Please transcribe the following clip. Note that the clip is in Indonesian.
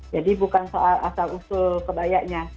jadi bukan soal asal usul kebayanya